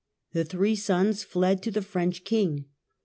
The three sons fled to the French king.